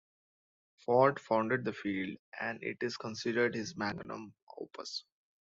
Ford founded the field and it is considered his "magnum opus".